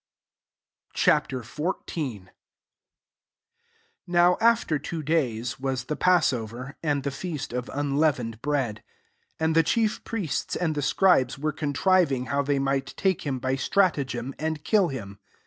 Ch. XIV. 1 NOW after two dayS) was the passover, and t/ie fea%t of unleavened bread : and the chief priests and the scribes were contriving how they might take him by stra tagem, and kill him.